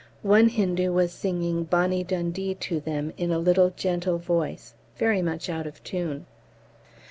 One Hindu was singing "Bonnie Dundee" to them in a little gentle voice, very much out of tune.